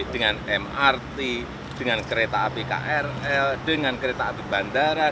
dengan mrt dengan kereta api krl dengan kereta api bandara